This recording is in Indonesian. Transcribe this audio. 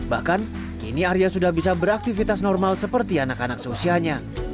bahkan kini arya sudah bisa beraktivitas normal seperti anak anak seusianya